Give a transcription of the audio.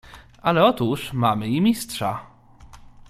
"Ale otóż mamy i Mistrza!"